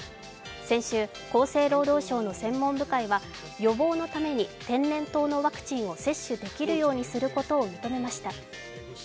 先週、厚生労働省の専門部会は予防のために天然痘のワクチンを接種できるようにすることを認めました。